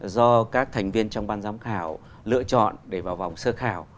do các thành viên trong ban giám khảo lựa chọn để vào vòng sơ khảo